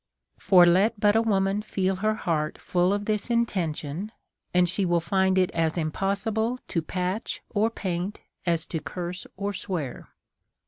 For let but a woman feel her heart full of this intention, and she will find it as impossible to patch or paint as to curse or swcai' ; DEVOUT AND HOLY LIFE.